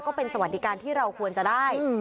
ก็เป็นสวัสดิการที่เราควรจะได้